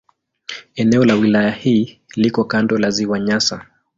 Eneo la wilaya hii liko kando la Ziwa Nyasa.